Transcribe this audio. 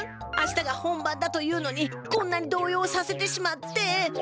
明日が本番だというのにこんなに動ようさせてしまって。